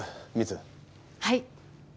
はい。